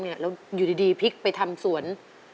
แล้วอยู่ดีพลิกไปทำสวน